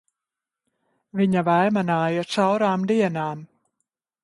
Viņa vaimanāja caurām dienām!